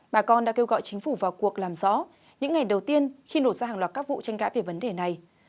bà con đã kêu gọi chính phủ vào cuộc làm rõ những ngày đầu tiên khi nổ ra hàng loạt các vụ tranh cãi về vấn đề này